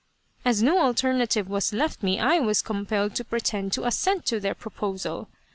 " As no alternative was left me, I was compelled to pretend to assent to their proposal.